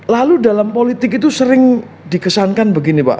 lalu dalam politik itu sering dikesankan begini pak